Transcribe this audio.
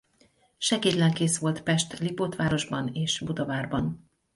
Segédlelkész volt Pest-Lipótvárosban és Budavárban.